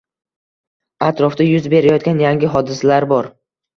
Atrofda yuz berayotgan yangi hodisalar bor.